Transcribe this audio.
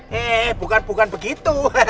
heeh bukan bukan begitu